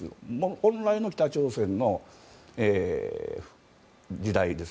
本来の北朝鮮の時代です。